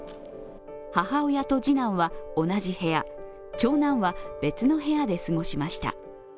母親と次男は同じ部屋、長男は別の部屋で過ごしました。